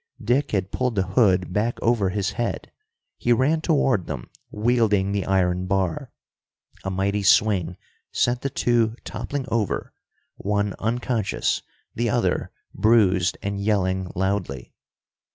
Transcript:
Dick had pulled the hood back over his head. He ran toward them, wielding the iron bar. A mighty swing sent the two toppling over, one unconscious, the other bruised and yelling loudly.